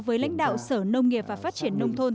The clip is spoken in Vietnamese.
với lãnh đạo sở nông nghiệp và phát triển nông thôn